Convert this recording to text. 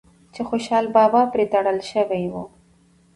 چې خوشحال بابا پرې تړل شوی و